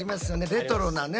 レトロなね